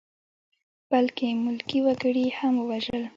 بلکې ملکي وګړي یې هم ووژل.